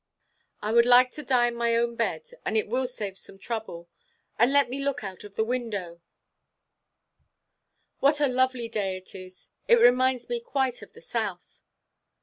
I would like to die in my bed, and it will save some trouble. And let me look out of the window; what a lovely day it is, it reminds me quite of the South.